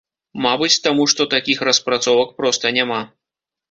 Мабыць, таму што такіх распрацовак проста няма.